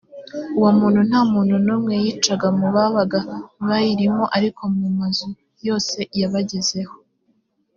uwo muntu nta muntu n umwe yicaga mu babaga bayirimo ariko mu mazu yose yabagezeho